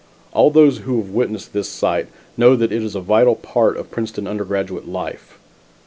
All those who have witnessed this sight, know that it is a vital part of Princeton undergraduate life.